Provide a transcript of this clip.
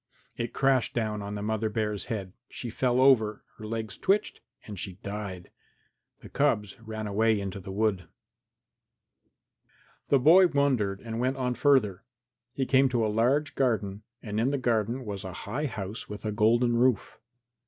It crashed down on the mother bear's head. She fell over; her legs twitched and she died. The cubs ran away into the wood. V The boy wondered and went on further. He came to a large garden and in the garden was a high house with a golden roof.